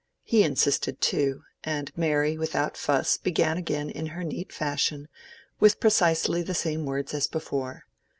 He insisted too, and Mary, without fuss, began again in her neat fashion, with precisely the same words as before.